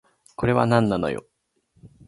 これはなんなのよ